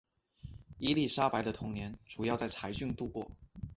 伊丽莎白的童年主要在柴郡度过。